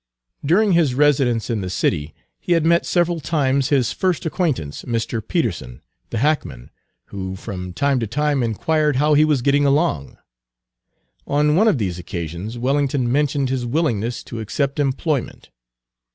During his residence in the city he had met several times his first acquaintance, Mr. Peterson, the hackman, who from time to time inquired how he was getting along. On one of these occasions Wellington mentioned his willingness to accept employment.